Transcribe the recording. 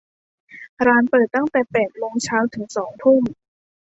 ร้านเปิดตั้งแต่แปดโมงเช้าถึงสองทุ่ม